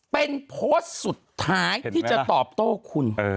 เป็นโพสต์สุดท้ายที่จะตอบโต้คุณ